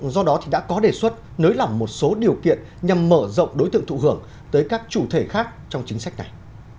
do đó đã có đề xuất nới lỏng một số điều kiện nhằm mở rộng đối tượng thụ hưởng tới các chủ thể khác trong chính sách này